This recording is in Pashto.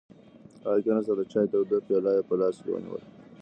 هغه کېناست او د چای توده پیاله یې په لاس کې ونیوله.